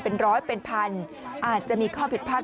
เป็นร้อยเป็นพันอาจจะมีข้อผิดพลาด